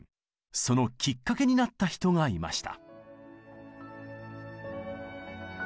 そのきっかけになった人がいました。